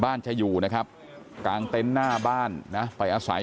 บ้านหนูก็ไม่มีพ่อหนูก็ไม่มี